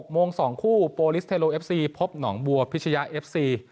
๖โมง๒คู่โปรลิสเทโลเอฟซีพบหนองบัวพิชยาเอฟซี